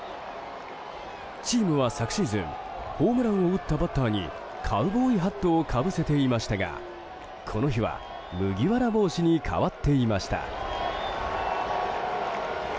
チームは昨シーズンホームランを打ったバッターにカウボーイハットをかぶせていましたがこの日は、麦わら帽子に変わっていました。